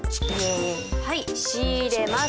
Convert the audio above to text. はい仕入れます。